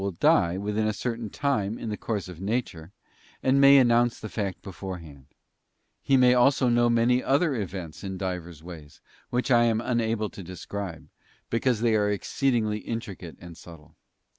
ey td ee i lil ail THE SPIRIT OF GIDDINESS. 153 within a certain time in the course of nature, and may announce the fact beforehand. He may also know many other events in divers ways, which I am unable to de scribe, because they are exceedingly intricate and subtle.